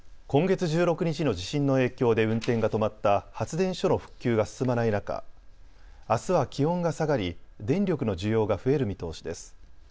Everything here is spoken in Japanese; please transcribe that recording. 今月１６日の地震の影響で運転が止まった発電所の復旧が進まない中あすは気温が下がり電力の需要が増える見通しです。